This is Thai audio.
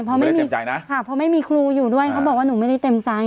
เพราะไม่มีครูอยู่ด้วยเขาบอกว่าหนูไม่ได้เต็มใจ